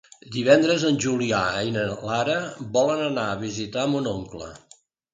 Divendres en Julià i na Lara volen anar a visitar mon oncle.